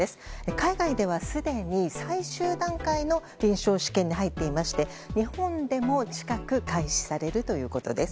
海外ではすでに最終段階の臨床試験に入っていまして日本でも近く開始されるということです。